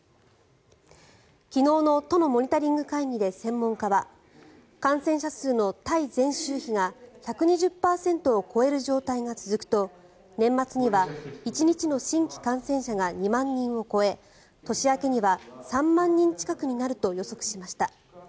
昨日の都のモニタリング会議で専門家は感染者数の対前週比が１２０％を超える状態が続くと年末には１日の新規感染者が２万人を超え年明けには３万人近くになると予測しました。